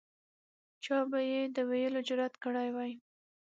چا به یې د ویلو جرأت کړی وای.